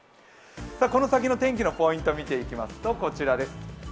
この先の天気のポイントを見ていきますと、こちらです。